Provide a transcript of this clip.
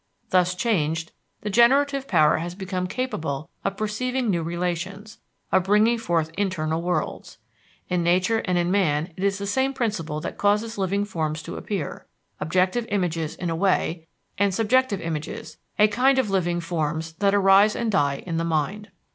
Thus changed, the generative power has become capable of perceiving new relations, of bringing forth internal worlds. In nature and in man it is the same principle that causes living forms to appear objective images in a way, and subjective images, a kind of living forms that arise and die in the mind.